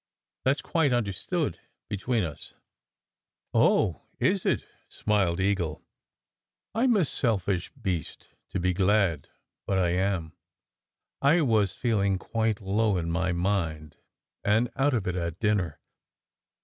That s quite under stood between us." "Oh, is it?" smiled Eagle. "I m a selfish beast to be glad, but I am. I was feeling quite low in my mind and out of it at dinner."